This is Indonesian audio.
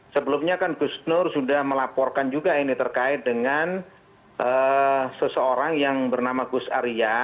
sebelumnya kan gus nur sudah melaporkan juga ini terkait dengan seseorang yang bernama gus arya